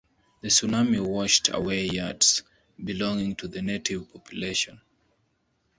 The tsunami washed away yurts belonging to the native population.